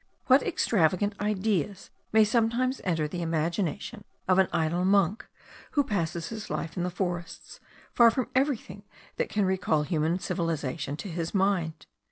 What extravagant ideas may sometimes enter the imagination of an idle monk, who passes his life in the forests, far from everything that can recall human civilization to his mind.